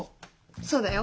そうだよ。